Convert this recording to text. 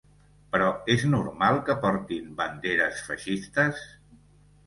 Però és normal que portin banderes feixistes?